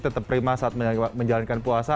tetap prima saat menjalankan puasa